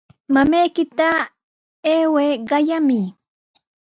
Mamaykita ayway qayamuy.